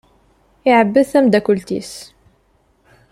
Iɛebbeḍ tamdakelt-is.